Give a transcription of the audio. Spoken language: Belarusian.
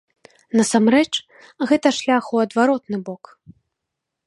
Насамрэч, гэта шлях у адваротны бок.